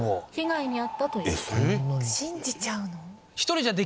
信じちゃうの？